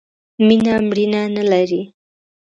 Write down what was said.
مینه مړینه نه لرئ